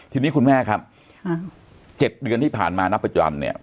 ทีนี้คุณแม่ครับ๗เดือนที่ผ่านมานับประจำเนี่ย